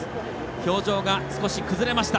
表情が少し崩れました。